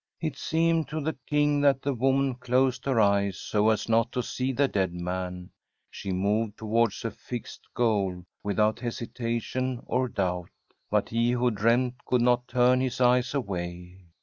It seemed to the King that the woman closed her eyes so as not to see the dead man. She moved towards a fixed goal without hesitation or doubt. But he who dreamt could not turn his eyes away.